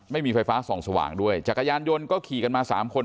ไม่มีไฟฟ้าส่องสว่างด้วยจักรยานยนต์ก็ขี่กันมาสามคน